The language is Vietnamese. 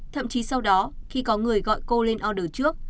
thậm chí sau đó khi có người gọi cô lên order trước